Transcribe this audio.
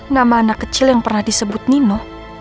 nama anak kecil yang pernah disebut nino